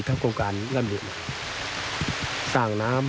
ถ้าโครงการร่ำหลีสร้างน้ำ